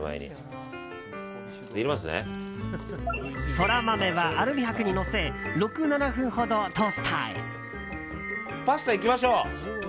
ソラマメはアルミ箔にのせ６７分ほどトースターへ。